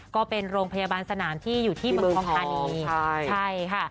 ก็เป็นโรงพยาบาลสนามที่อยู่ที่เมืองพร้อมค่ะ